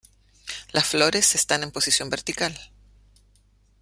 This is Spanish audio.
Las flores están en posición vertical.